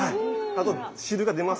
あと汁が出ますので。